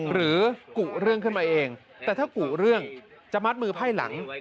กุเรื่องขึ้นมาเองแต่ถ้ากุเรื่องจะมัดมือไพ่หลัง